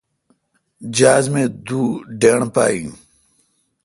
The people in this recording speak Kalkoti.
جہاز می دو ڈنڈ پہ این